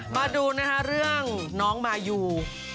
มาดูนะฮะเรื่องน้องมายู